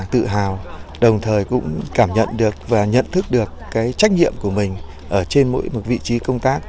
tự hào đồng thời cũng cảm nhận được và nhận thức được cái trách nhiệm của mình ở trên mỗi một vị trí công tác